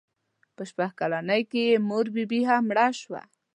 په شپږ کلنۍ کې یې مور بي بي هم مړه شوه.